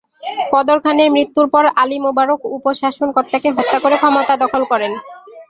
কদর খানের মৃত্যুর পর আলী মুবারক উপ-শাসনকর্তাকে হত্যা করে ক্ষমতা দখল করেন।